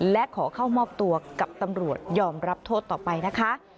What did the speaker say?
และขอเข้ามอบตัวกับตำรวจยอมรับโทษต่อไปนะคะ